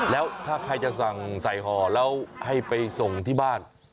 แล้วถ้าใครจะสั่งใส่ห่อแล้วให้ไปส่งที่บ้าน